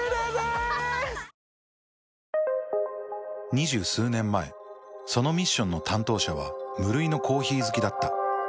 ２０数年前そのミッションの担当者は無類のコーヒー好きだった。